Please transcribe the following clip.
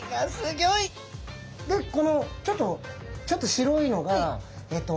でこのちょっとちょっと白いのがアゴ。